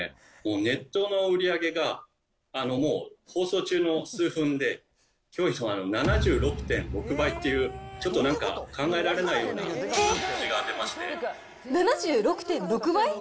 ネットの売り上げが、もう放送中の数分で、驚異の７６．６倍というちょっとなんか、考えられないよ７６．６倍？